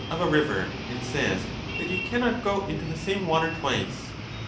345 of a river, and says that you cannot go into the same water Cratyius. twice.